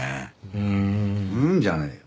「うーん」じゃねえよ。